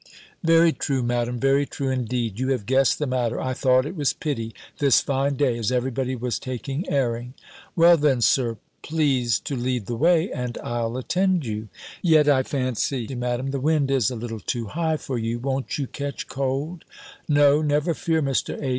"Very true, Madam! Very true indeed! You have guessed the matter. I thought it was pity, this fine day, as every body was taking airing " "Well then. Sir, please to lead the way, and I'll attend you." "Yet I fancy, Madam, the wind is a little too high for you. Won't you catch cold?" "No, never fear, Mr. H.